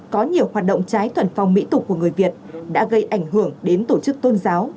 có nhiều hoạt động trái thuần phong mỹ tục của người việt đã gây ảnh hưởng đến tổ chức tôn giáo